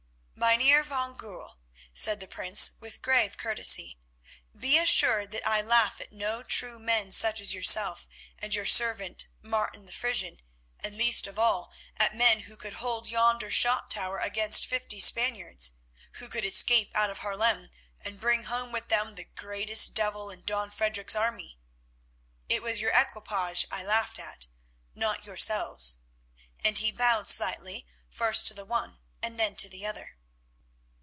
"Mynheer van Goorl," said the Prince with grave courtesy, "be assured that I laugh at no true men such as yourself and your servant, Martin the Frisian, and least of all at men who could hold yonder shot tower against fifty Spaniards, who could escape out of Haarlem and bring home with them the greatest devil in Don Frederic's army. It was your equipage I laughed at, not yourselves," and he bowed slightly first to the one and then to the other.